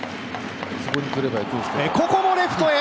ここもレフトへ！